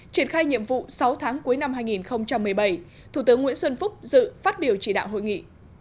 triển khai nhiệm vụ sáu tháng cuối năm hai nghìn một mươi bảy thủ tướng nguyễn xuân phúc dự phát biểu chỉ đạo hội nghị